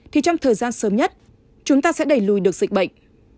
thì trong thời gian sớm nhất chúng ta sẽ đẩy lùi được dịch bệnh